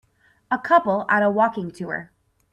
A couple on a walking tour.